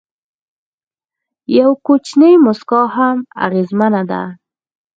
یو کوچنی موسکا هم اغېزمنه ده.